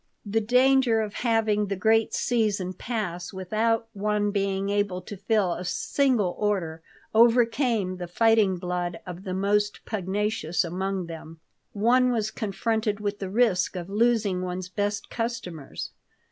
The danger of having the great season pass without one being able to fill a single order overcame the fighting blood of the most pugnacious among them. One was confronted with the risk of losing one's best customers.